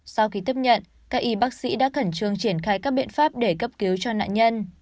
sau khi tiếp nhận các y bác sĩ đã khẩn trương triển khai các biện pháp để cấp cứu cho nạn nhân